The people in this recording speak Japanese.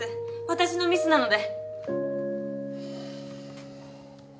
私のミスなので。